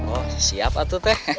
oh siap atute